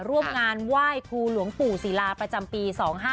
ร่วมงานไหว้ครูหลวงปู่ศิลาประจำปี๒๕๕๙